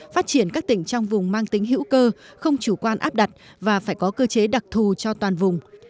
phát triển các tỉnh trong vùng mang tính hữu cơ không chủ quan áp đặt và phải có cơ chế đặc thù cho toàn vùng